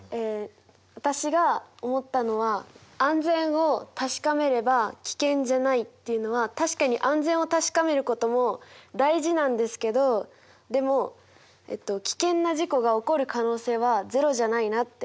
私が思ったのは安全を確かめれば危険じゃないっていうのは確かに安全を確かめることも大事なんですけどでも危険な事故が起こる可能性はゼロじゃないなって思って例えば。